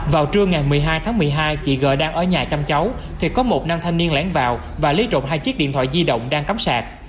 vào trưa ngày một mươi hai tháng một mươi hai chị g đang ở nhà chăm cháu thì có một nam thanh niên lãng vào và lấy trộm hai chiếc điện thoại di động đang cắm sạc